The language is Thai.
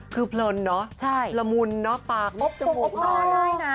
คือเพลินเนอะละมุนเนอะปากนิดหนึ่ง